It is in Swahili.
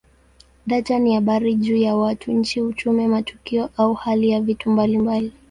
Data ni habari juu ya watu, nchi, uchumi, matukio au hali ya vitu mbalimbali.